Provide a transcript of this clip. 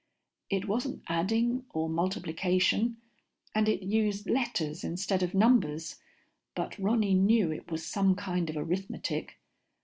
It wasn't adding or multiplication, and it used letters instead of numbers, but Ronny knew it was some kind of arithmetic.